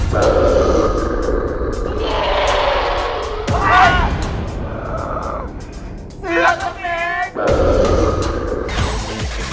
เผ็ดเผี้ยก็น่ากิน